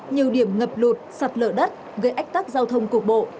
nhiều điểm ngập lụt sạt lở đất gây ách tắc giao thông cục bộ